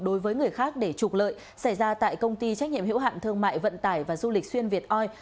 đối với người khác để trục lợi xảy ra tại công ty trách nhiệm hiệu hạn thương mại vận tải và du lịch xuyên việt oi